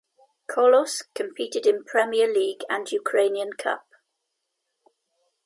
Kolos competed in Premier League and Ukrainian Cup.